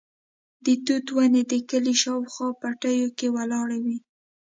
د توت ونې د کلي شاوخوا پټیو کې ولاړې وې.